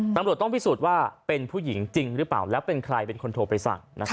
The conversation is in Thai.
ตำรวจต้องพิสูจน์ว่าเป็นผู้หญิงจริงหรือเปล่าแล้วเป็นใครเป็นคนโทรไปสั่ง